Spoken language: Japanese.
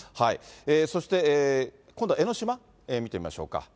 そして今度は江の島、見てみましょうか。